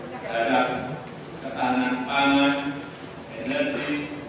adalah ketahanan pangan energi